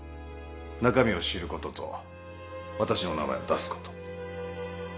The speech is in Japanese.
中身を知ることと私の名前を出すこと。